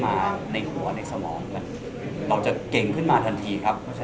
อย่างที่บอกไปครับไม่อยากให้เจอแบบเราไม่อยากให้เจอ